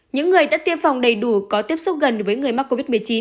những người đã tiêm phòng đầy đủ có tiếp xúc gần với người mắc covid một mươi chín